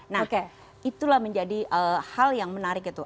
nah itulah menjadi hal yang menarik itu